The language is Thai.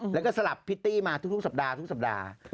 แล้วก็สลับพิตตี้มาทุกสัปดาห์ทุกสัปดาห์